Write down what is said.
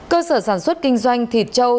cơ sở sản xuất kinh doanh thịt trâu